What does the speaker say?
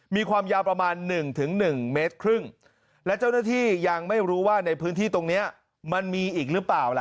มีความยาวประมาณ๑๑เมตรครึ่งและเจ้าหน้าที่ยังไม่รู้ว่าในพื้นที่ตรงนี้มันมีอีกหรือเปล่าล่ะ